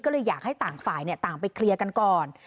ก็เลยอยากให้ต่างฝ่ายต่างไปเคลียร์กันก่อน